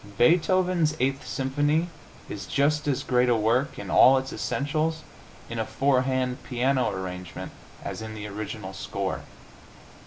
Beethoven's Eighth Symphony is just as great a work, in all its essentials, in a four hand piano arrangement as in the original score.